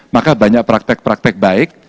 maka banyak praktek praktek baik